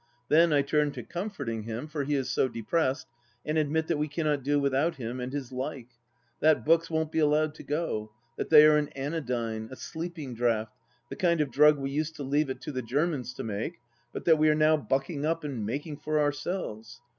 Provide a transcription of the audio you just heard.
Then I turn to comforting him, for he is so depressed, and admit that we cannot do without him and his like : that books won't be allowed to go ; that they are an anodyne — a sleeping draught, the kind of drug we used to leave it to the Germans to make, but that we are now bucking up and making for ourselves.